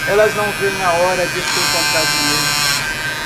Elas não veem a hora de se encontrar de novo.